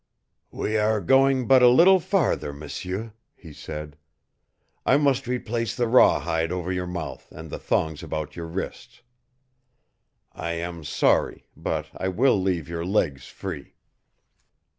"We are going but a little farther, M'seur," he said. "I must replace the rawhide over your mouth and the thongs about your wrists. I am sorry but I will leave your legs free."